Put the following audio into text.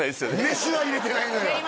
メスは入れてないのよ